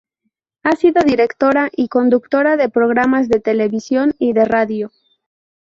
Ha sido directora y conductora de programas de televisión y de radio.